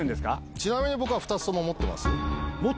ちなみに僕は２つとも持ってますよ。